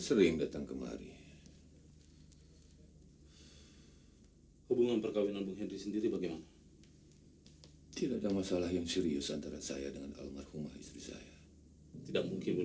sampai jumpa di video selanjutnya